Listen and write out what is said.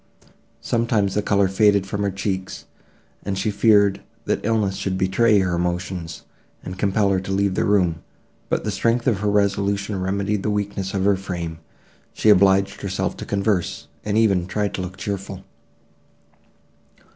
Several times the colour faded from her cheeks, and she feared, that illness would betray her emotions, and compel her to leave the room; but the strength of her resolution remedied the weakness of her frame; she obliged herself to converse, and even tried to look cheerful.